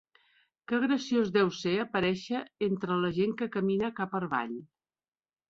Que graciós deu ser aparèixer entre la gent que camina cap per avall!